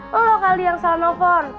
lo kali yang salah nelfon